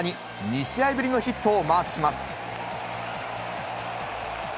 ２試合ぶりのヒットをマークします。